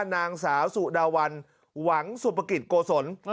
นางสาวสุดาวันหวังสุปกิจโกศล